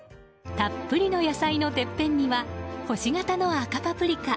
たっぷりの野菜のてっぺんには星形の赤パプリカ。